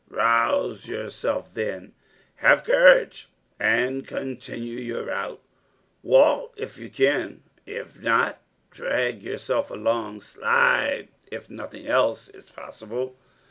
Rouse yourself, then, have courage and continue your route. Walk if you can, if not drag yourself along slide, if nothing else is possible.